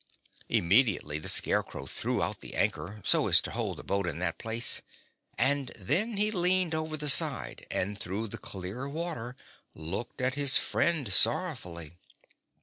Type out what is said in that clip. Immediately the Scarecrow threw out the anchor, so as to hold the boat in that place, and then he leaned over the side and through the clear water looked at his friend sorrowfully.